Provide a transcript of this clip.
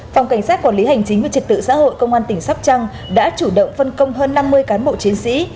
phòng cảnh sát quản lý hành chính về trật tự xã hội công an tỉnh sắp trăng đã chủ động phân công hơn năm mươi cán bộ chiến sĩ